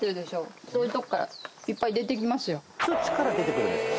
土から出てくるんですか？